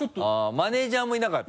マネジャーもいなかった？